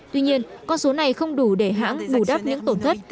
tuy nhiên con số này không đủ để hãng bù đắp những tổn thất